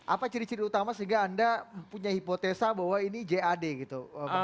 apa ciri ciri utama sehingga anda punya hipotesa bahwa ini jad gitu